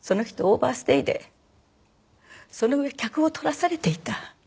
オーバーステイでその上客を取らされていた。